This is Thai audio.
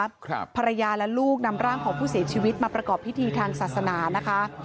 ภรรยาและลูกนำร่างของผู้เสียชีวิตมาประกอบพิธีทางศาสนานะคะ